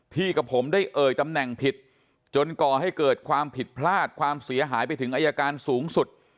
กับผมได้เอ่ยตำแหน่งผิดจนก่อให้เกิดความผิดพลาดความเสียหายไปถึงอายการสูงสุด